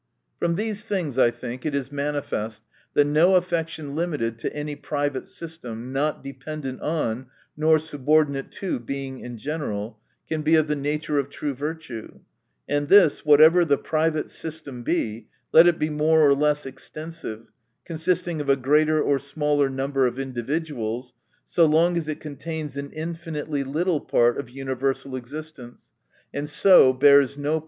From these things, 1 think, it is manifest, that no affection limited to any private system, not dependent on, nor subordinate to Being in general, can be of the nature of true virtue ; and this, whatever the private system be, let it be more or less extensive, consisting of a greater or smaller number of individuals, so long as it contains an infinitely little part of universal existence, and so bears 270 THE NATURE OF VIRTUE.